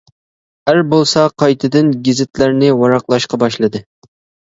ئەر بولسا قايتىدىن گېزىتلەرنى ۋاراقلاشقا باشلىدى.